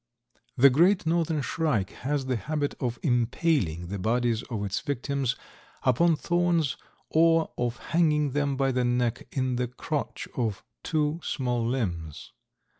The Great Northern Shrike has the habit of impaling the bodies of its victims upon thorns or of hanging them by the neck in the crotch of two small limbs.